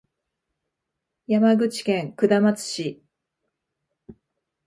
山口県下松市